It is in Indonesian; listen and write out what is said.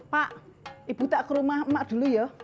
pak ibu tak ke rumah emak dulu ya